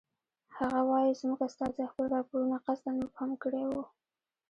هغه وایي زموږ استازي خپل راپورونه قصداً مبهم کړی وو.